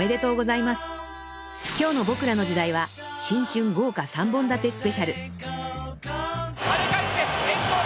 ［今日の『ボクらの時代』は新春豪華３本立てスペシャル］